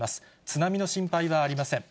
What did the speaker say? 津波の心配はありません。